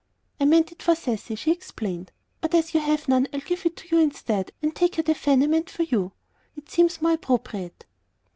"I meant it for Cecy," she explained. "But as you have none I'll give it to you instead, and take her the fan I meant for you. It seems more appropriate."